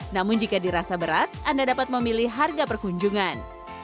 namun jika dirasa berat anda dapat memilih harga perkunjungan